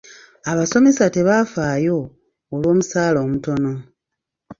Abasomesa tebafaayo olw'omusala omutono.